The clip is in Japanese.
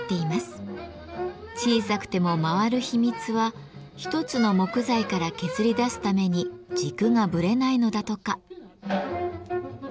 小さくても回る秘密は一つの木材から削り出すために軸がぶれないのだとか。